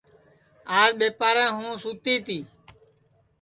آج ٻیپارے ہوں سوتی تی